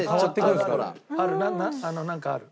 あるなんかある。